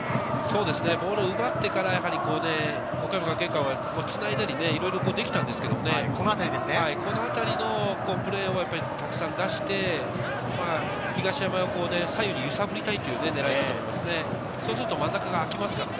ボールを奪ってから岡山学芸館はつないだりいろいろできたんですけど、このあたりでプレーをたくさん出して、東山を左右に揺さぶりたいという狙いだと思いますね。